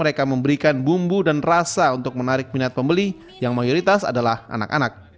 mereka memberikan bumbu dan rasa untuk menarik minat pembeli yang mayoritas adalah anak anak